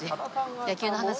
野球の話？